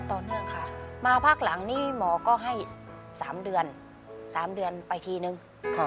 ต่อเนื่องค่ะมาพักหลังนี้หมอก็ให้๓เดือน๓เดือนไปทีนึง